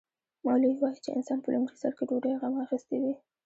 مولوي وايي چې انسان په لومړي سر کې ډوډۍ غم اخیستی وي.